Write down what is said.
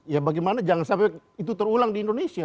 ya bagaimana jangan sampai itu terulang di indonesia